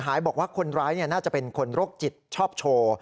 บอกว่าคนร้ายน่าจะเป็นคนโรคจิตชอบโชว์